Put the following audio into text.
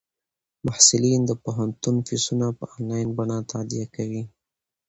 محصلین د پوهنتون فیسونه په انلاین بڼه تادیه کوي.